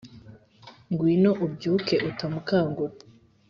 ngwino ubyuke uta mukangura